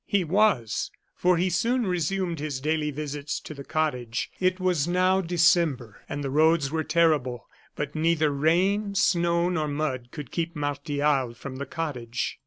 He was, for he soon resumed his daily visits to the cottage. It was now December, and the roads were terrible; but neither rain, snow, nor mud could keep Martial from the cottage.